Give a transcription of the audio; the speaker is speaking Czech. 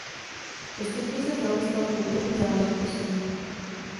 Postupně se film stal kultovní záležitostí.